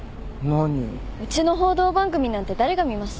うちの報道番組なんて誰が見ます？